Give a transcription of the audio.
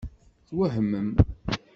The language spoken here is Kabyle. Twehmem.